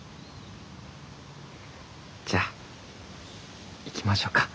じゃあ行きましょうか。